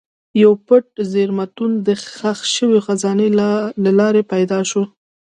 یو پټ زېرمتون د ښخ شوو خزانو له لارې پیدا شو.